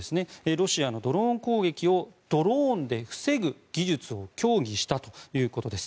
ロシアのドローン攻撃をドローンで防ぐ技術を協議したということです。